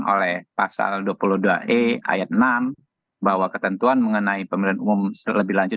oleh pasal dua puluh dua e ayat enam bahwa ketentuan mengenai pemilihan umum lebih lanjut